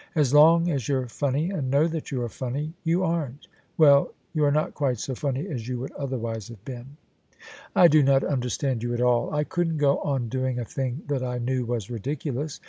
"As long as you're funny and know that you are funny, you aren't — ^well, you are not quite so funny as you would otherwise have been." " I do not understand you at all. I couldn't go on doing a thing that I knew was ridiculous.